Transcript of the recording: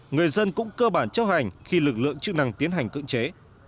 người dân cũng cơ bản chấp hành khi lực lượng chức năng tiến hành cưỡng chế